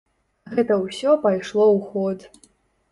Гэта ўсё пайшло ў ход.